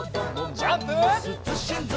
ジャンプ！